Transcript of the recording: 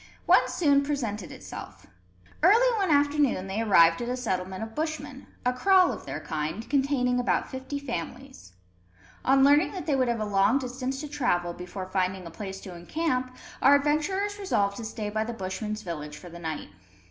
One soon presented itself. Early one afternoon they arrived at a settlement of Bushmen, a kraal of their kind, containing about fifty families. On learning that they would have a long distance to travel, before finding a place to encamp, our adventurers resolved to stay by the Bushmen's village for the night.